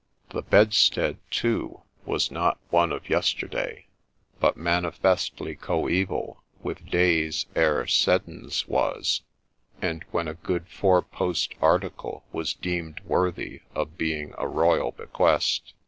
The bedstead, too, was not one of yesterday, but manifestly coeval with days ere Seddons was, and when a good four post ' article ' was deemed worthy of being a royal bequest.